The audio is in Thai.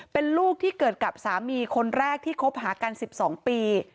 เป็นลูกที่เกิดกับสามีคนแรกที่คบหากัน๑๒ปี